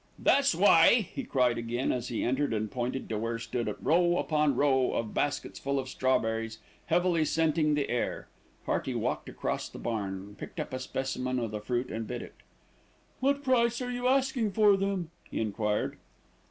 "This way," he cried again, as he entered and pointed to where stood row upon row of baskets full of strawberries, heavily scenting the air. Hearty walked across the barn, picked up a specimen of the fruit and bit it. "What price are you asking for them?" he enquired.